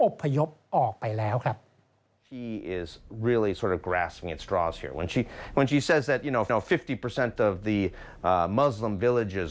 พยพออกไปแล้วครับ